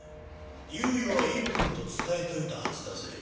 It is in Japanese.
猶予は１分と伝えといたはずだぜ。